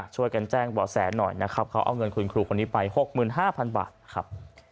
ช่วยกันแจ้งบ่อแสหน่อยนะครับเขาเอาเงินคุณครูคนนี้ไป๖๕๐๐บาทครับ